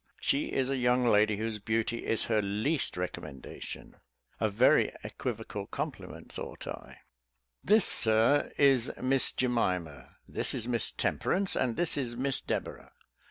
She is a young lady whose beauty is her least recommendation." "A very equivocal compliment," thought I. "This, Sir, is Miss Jemima; this is Miss Temperance; and this is Miss Deborah.